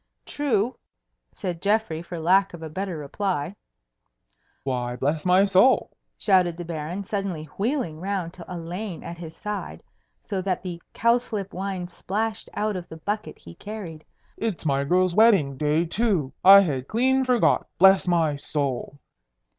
"True," said Geoffrey, for lack of a better reply. "Why, bless my soul!" shouted the Baron, suddenly wheeling round to Elaine at his side, so that the cowslip wine splashed out of the bucket he carried, "it's my girl's wedding day too! I had clean forgot. Bless my soul!"